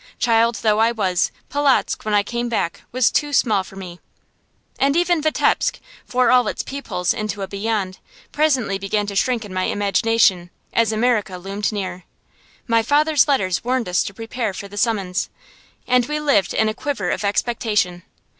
Child though I was, Polotzk, when I came back, was too small for me. And even Vitebsk, for all its peepholes into a Beyond, presently began to shrink in my imagination, as America loomed near. My father's letters warned us to prepare for the summons, and we lived in a quiver of expectation.